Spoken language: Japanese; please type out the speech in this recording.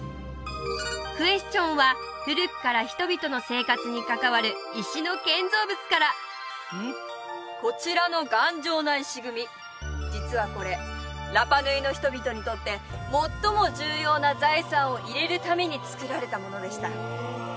クエスチョンは古くから人々の生活に関わる石の建造物からこちらの頑丈な石組み実はこれラパ・ヌイの人々にとって最も重要な財産を入れるためにつくられたものでした